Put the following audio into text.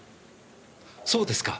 そうですか。